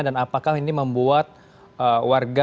dan apakah ini membuat warga